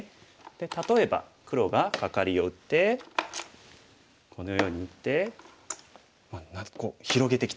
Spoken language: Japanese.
例えば黒がカカリを打ってこのように打ってまあこう広げてきた。